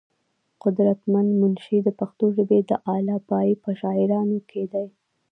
قدر مند منشي د پښتو ژبې د اعلى پائي پۀ شاعرانو کښې دے ۔